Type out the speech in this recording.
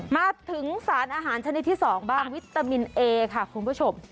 มาถึงสารอาหารชนิดที่๒บ้างวิตามินเอค่ะคุณผู้ชม